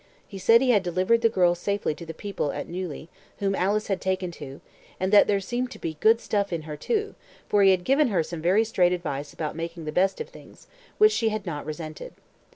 He said he had delivered the girl safely to the people at Neuilly, whom Alice had taken to, and that there seemed to be "good stuff" in her, too, for he had given her some very straight advice about making the best of things, which she had not resented.